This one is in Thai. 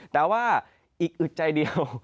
แต่ว่าอีกอึดใจเดียว